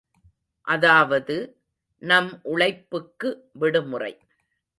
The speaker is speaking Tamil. அதாவது, நம் உழைப்புக்கு விடுமுறை.